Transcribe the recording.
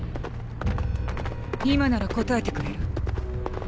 今なら答えてくれる？